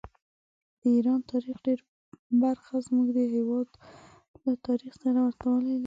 د ایران تاریخ ډېره برخه زموږ د هېواد له تاریخ سره ورته والي لري.